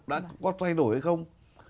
đã có thay đổi hay không